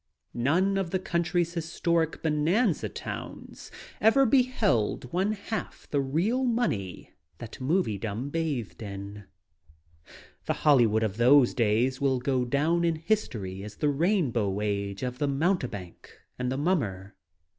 None of the country's historic bonanza towns ever beheld one half the real money that Moviedom bathed in. The Hollywood of those days will go down in history as the Rainbow Age of the mountebank and the mummer.